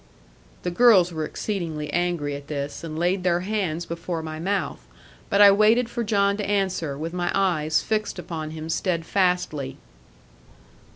The girls were exceedingly angry at this, and laid their hands before my mouth; but I waited for John to answer, with my eyes fixed upon him steadfastly.